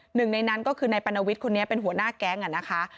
หนึ่งในนั้นก็คือนายปรณวิทย์คนนี้เป็นหัวหน้าแก๊งนะคะ